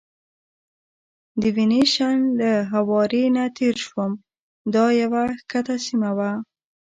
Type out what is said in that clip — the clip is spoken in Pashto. د وینیشن له هوارې نه تېر شوم، دا یوه کښته سیمه وه.